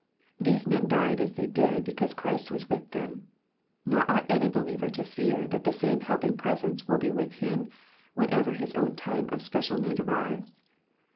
These men died as they did because Christ was with them. Nor ought any believer to fear that the same helping presence will be with him, whenever his own time of special need arrives.